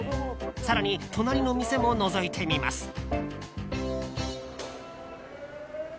更に、隣の店ものぞいてみます。